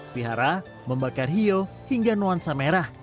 pihara membakar hio hingga nuansa merah